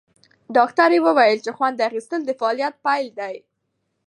ډاکټره وویل چې خوند اخیستل د فعالیت پیل دی.